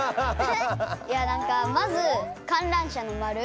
いやなんかまず観覧車のまる。